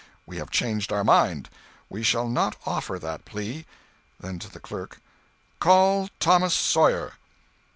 We have changed our mind. We shall not offer that plea." [Then to the clerk:] "Call Thomas Sawyer!"